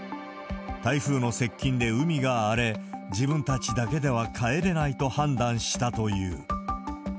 台風の接近で海が荒れ、自分たちだけでは帰れないと判断したという。